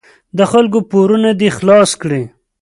د خلکو پورونه دې خلاص کړي.